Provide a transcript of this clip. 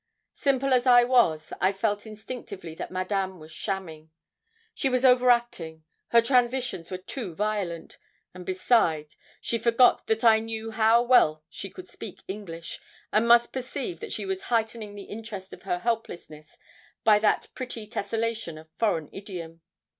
Simple as I was, I felt instinctively that Madame was shamming. She was over acting; her transitions were too violent, and beside she forgot that I knew how well she could speak English, and must perceive that she was heightening the interest of her helplessness by that pretty tessellation of foreign idiom.